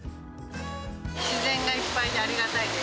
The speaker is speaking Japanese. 自然がいっぱいでありがたいです。